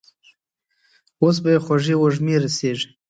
اوس به يې خوږې وږمې رسېږي.